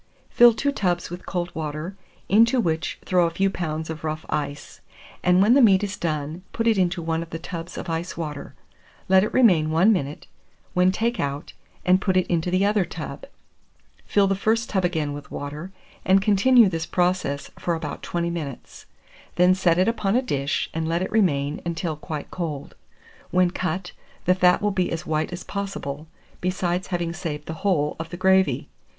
Fill two tubs with cold water, into which throw a few pounds of rough ice; and when the meat is done, put it into one of the tubs of ice water; let it remain 1 minute, when take out, and put it into the other tub. Fill the first tub again with water, and continue this process for about 20 minutes; then set it upon a dish, and let it remain until quite cold. When cut, the fat will be as white as possible, besides having saved the whole, of the gravy.